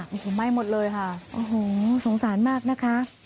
โอ้โหไหม้หมดเลยค่ะโอ้โหสงสารมากนะคะ